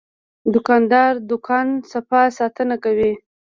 دوکاندار د دوکان صفا ساتنه کوي.